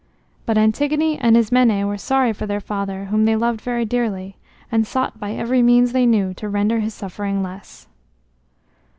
But Antigone and Ismené were sorry for their father, whom they loved very dearly, and sought by every means they knew to render his suffering less.